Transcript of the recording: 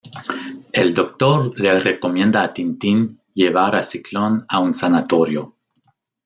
El doctor le recomienda a Tintín llevar a Ciclón a un sanatorio.